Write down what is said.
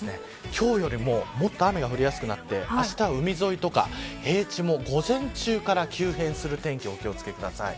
今日よりももっと雨が降りやすくなってあしたは海沿いとか平地も午前中から急変する天気お気を付けください。